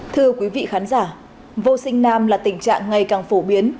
thưa quý vị khán giả vô sinh nam là tình trạng ngày càng phổ biến